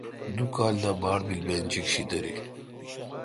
دو کال دا باڑ پیل بہ انچیک شی دریل۔